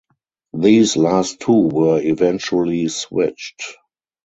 These last two were eventually switched.